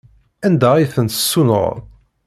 Anda ay tent-tessunɣeḍ?